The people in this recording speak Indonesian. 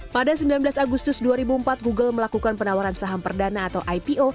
pada sembilan belas agustus dua ribu empat google melakukan penawaran saham perdana atau ipo